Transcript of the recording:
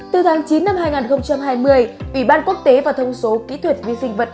từ tháng chín năm hai nghìn hai mươi ủy ban quốc tế và thông số kỹ thuật vi sinh vật